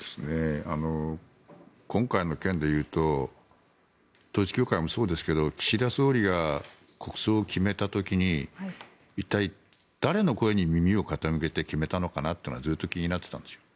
今回の件でいうと統一教会もそうですけど岸田総理が国葬を決めた時に一体、誰の声に耳を傾けて決めたのかなというのがずっと気になってたんですよ。